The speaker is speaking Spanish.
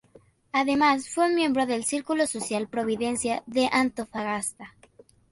Además fue miembro del Círculo Social Providencia de Antofagasta.